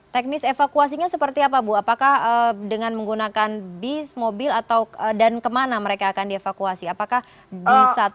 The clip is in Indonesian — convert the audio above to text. teknis evakuasinya seperti apa bu apakah dengan menggunakan bis mobil atau dan kemana mereka akan dievakuasi apakah di saat